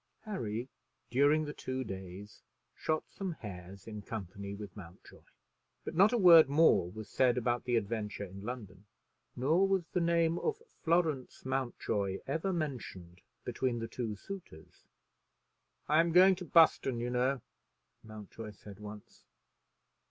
Harry, during the two days, shot some hares in company with Mountjoy, but not a word more was said about the adventure in London. Nor was the name of Florence Mountjoy ever mentioned between the two suitors. "I'm going to Buston, you know," Mountjoy said once.